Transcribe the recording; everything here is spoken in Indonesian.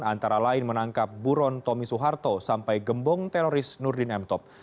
antara lain menangkap buron tommy suharto sampai gembong teroris nurdin emtop